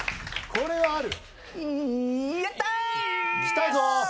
これはある。